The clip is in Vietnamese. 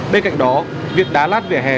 bên cạnh đó việc đá lát vỉa hè